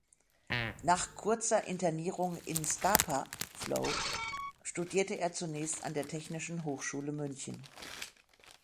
Nach kurzer Internierung in Scapa Flow studierte er zunächst an der Technischen Hochschule München.